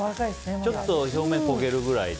ちょっと表面が焦げるくらいで。